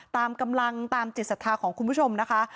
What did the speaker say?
ตามกำลังตามจิตศรัทธาของคุณผู้ชมนะคะ